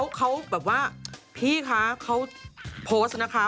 เขาแบบว่าพี่คะเขาโพสต์นะคะ